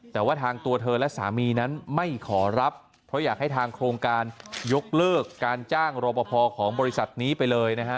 แต่ว่าทางตัวเธอและสามีนั้นไม่ขอรับเพราะอยากให้ทางโครงการยกเลิกการจ้างรอปภของบริษัทนี้ไปเลยนะฮะ